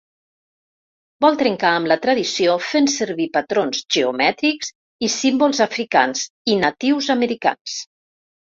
Vol trencar amb la tradició, fent servir patrons geomètrics i símbols africans i natius americans.